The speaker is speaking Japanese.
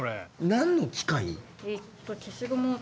何の機械？